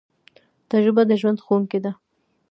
تجربه د ژوند ښوونکی ده